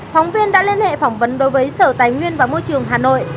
phóng viên đã liên hệ phỏng vấn đối với sở tài nguyên và môi trường hà nội